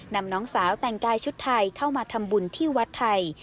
น้องสาวแต่งกายชุดไทยเข้ามาทำบุญที่วัดไทย